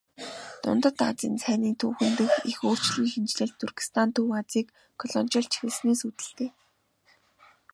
Дундад Азийн цайны түүхэн дэх их өөрчлөн шинэчлэлт Туркестан Төв Азийг колоничилж эхэлснээс үүдэлтэй.